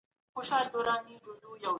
زموږ راتلونکی په علم کې دی.